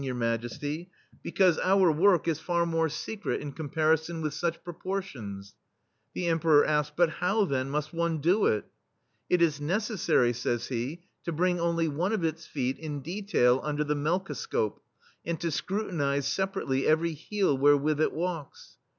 Your Majesty, because our work THE STEEL FLEA is far more secret, in comparison with such proportions/* The Emperor asked: "But how, then, miist one do it?" "It is necessary, says he, "to bring only one of its feet, in detail, under the melkoscope, and to scrutinize sepa rately every heel wherewith it walks."